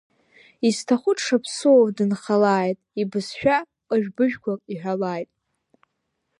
Изҭаху дшаԥсууоу дынхалааит, ибызшәа ҟыжә-быжәқәак иҳәалааит!